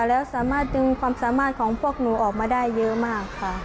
แล้วสามารถดึงความสามารถของพวกหนูออกมาได้เยอะมากค่ะ